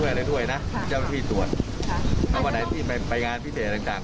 หลังจากนั้นก็ยังตรวจพอวันไหนไปงานพิเศษต่าง